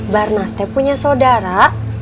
barnas teh punya saudara